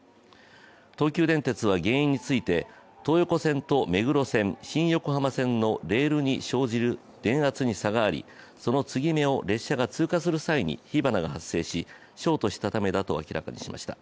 東急電鉄は原因について東横線と目黒線、新横浜線のレールに生じる電圧に差があり、その継ぎ目を列車が通過する際に火花が発生しショートしたためだと明らかにしました。